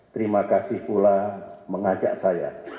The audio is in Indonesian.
terima kasih pula mengajak saya